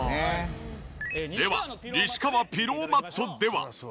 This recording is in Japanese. では西川ピローマットでは。